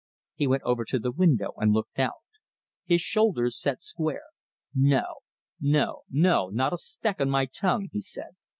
He went over to the window and looked out. His shoulders set square. "No, no, no, not a speck on my tongue!" he said.